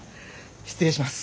失礼します。